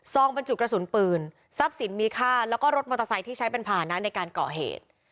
บรรจุกระสุนปืนทรัพย์สินมีค่าแล้วก็รถมอเตอร์ไซค์ที่ใช้เป็นภานะในการก่อเหตุ